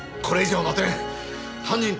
これ以上待てん！